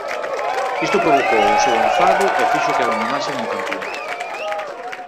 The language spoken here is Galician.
Isto provocou o seu enfado e fixo que abandonasen o campionato.